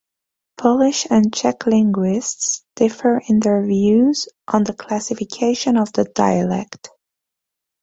Polish and Czech linguists differ in their views on the classification of the dialect.